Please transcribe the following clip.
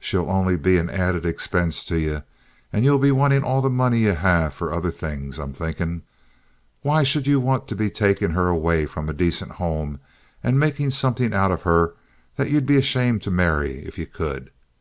She'll only be an added expense to ye, and ye'll be wantin' all the money ye have for other things, I'm thinkin'. Why should ye want to be takin' her away from a dacent home and makin' something out of her that ye'd be ashamed to marry if you could?